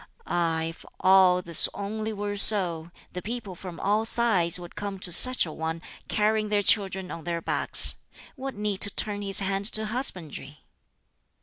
Ah, if all this only were so, the people from all sides would come to such a one, carrying their children on their backs. What need to turn his hand to husbandry?